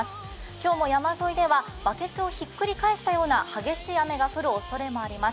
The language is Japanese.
今日も山沿いではバケツをひっくり返したような激しい雨が降るおそれがあります。